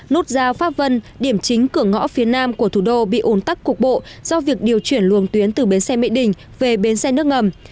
nút giao pháp vân điểm chính cửa ngõ phía nam của thủ đô bị ồn tắc cục bộ do việc điều chuyển luồng tuyến từ bến xe mỹ đình về bến xe nước ngầm